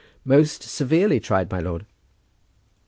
"Most severely tried, my lord."